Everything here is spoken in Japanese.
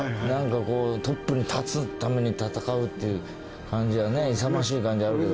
トップに立つために戦うっていう感じがね勇ましい感じあるけど。